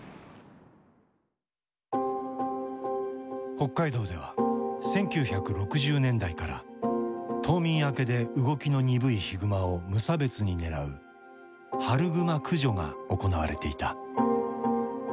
北海道では１９６０年代から冬眠明けで動きの鈍いヒグマを無差別に狙う春グマ駆除が行われていた。